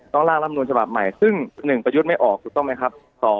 ร่างรับนูลฉบับใหม่ซึ่ง๑ประยุทธ์ไม่ออกถูกต้องไหมครับ